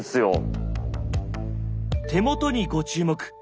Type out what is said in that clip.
手元にご注目。